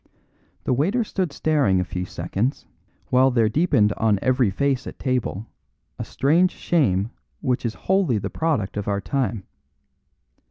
The waiter stood staring a few seconds, while there deepened on every face at table a strange shame which is wholly the product of our time.